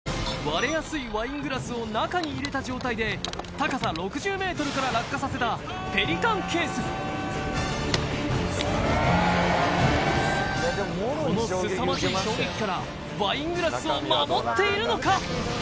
割れやすいワイングラスを中に入れた状態で高さ６０ｍから落下させたペリカンケースこのすさまじい衝撃からワイングラスを守っているのか？